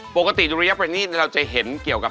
ปกติระยะประนีตเราจะเห็นเกี่ยวกับ